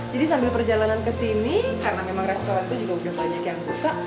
jadi sambil perjalanan ke sini karena memang restoran itu juga udah banyak yang buka